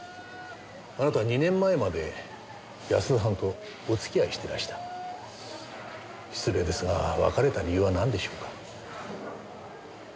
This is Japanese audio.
あなたは２年前まで安田さんとお付き合いしてらした。失礼ですが別れた理由はなんでしょうか？